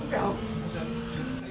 saya nggak tahu